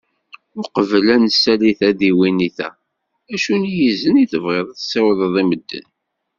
Uqbel ad nesali tadiwennit-a, acu n yizen i tebɣiḍ ad tessiwḍeḍ i medden?